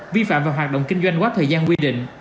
vi phạm và hoạt động kinh doanh quá thời gian quy định